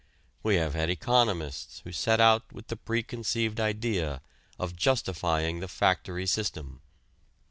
We have had economists who set out with the preconceived idea of justifying the factory system.